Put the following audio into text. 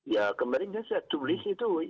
ya kemarin saya tulis itu